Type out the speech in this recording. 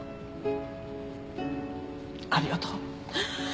ありがとう。